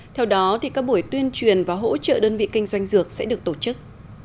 theo đó các buổi tuyên truyền và hỗ trợ đơn vị kinh doanh dược sẽ được tổ chức